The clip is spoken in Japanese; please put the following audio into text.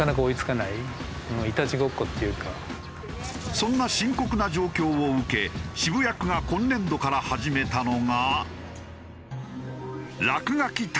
そんな深刻な状況を受け渋谷区が今年度から始めたのが。